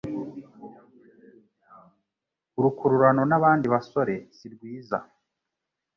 urukururano n'abandi basore sirwiza